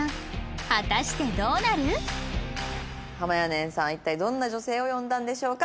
果たしてどうなる？はまやねんさんは一体どんな女性を呼んだんでしょうか？